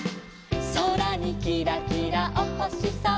「そらにキラキラおほしさま」